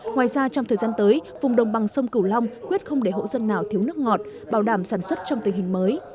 ngoài ra trong thời gian tới vùng đồng bằng sông cửu long quyết không để hộ dân nào thiếu nước ngọt bảo đảm sản xuất trong tình hình mới